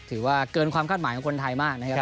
ถือว่าเกินความคาดหมายของคนไทยมากนะครับ